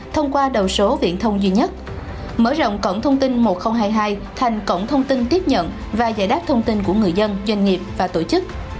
thông qua đầu số viện thông duy nhất mở rộng cổng thông tin một nghìn hai mươi hai thành cổng thông tin tiếp nhận và giải đáp thông tin của người dân doanh nghiệp và tổ chức